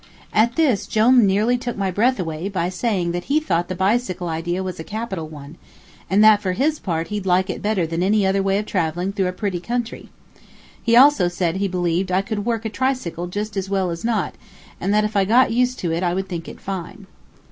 At this Jone nearly took my breath away by saying that he thought that the bicycle idea was a capital one, and that for his part he'd like it better than any other way of travelling through a pretty country. He also said he believed I could work a tricycle just as well as not, and that if I got used to it I would think it fine.